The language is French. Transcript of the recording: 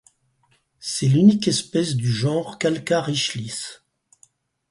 C'est l'unique espèce du genre Calcarichelys.